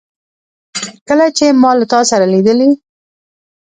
کله چي ما له تا سره لیدلې